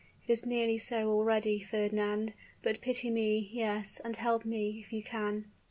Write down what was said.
It is nearly so already, Fernand but pity me; yes and help me, if you can!"